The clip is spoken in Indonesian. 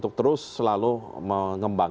dan setelahu ini kangeran